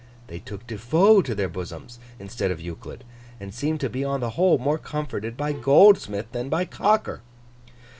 They took De Foe to their bosoms, instead of Euclid, and seemed to be on the whole more comforted by Goldsmith than by Cocker.